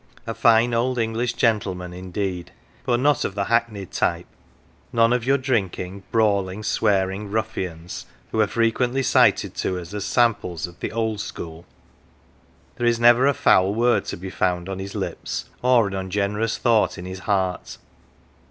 "A fine old English gentleman " indeed, but not of the hackneyed type ; none of your drinking, brawling, swearing ruffians, who are frequently cited to us as samples of "the old school."" There is never a foul word to be found on his lips, or an ungenerous thought in his heart.